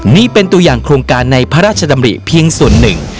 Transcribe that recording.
นี่เป็นตัวอย่างโครงการในพระราชดำริเพียงส่วนหนึ่ง